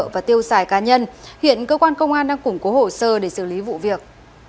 và tiêu xài cá nhân hiện cơ quan công an đang củng cố hồ sơ để xử lý vụ việc